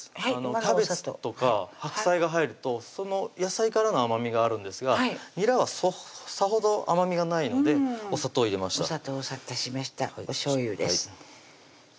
キャベツとか白菜が入るとその野菜からの甘みがあるんですがにらはさほど甘みがないのでお砂糖入れましたおしょうゆです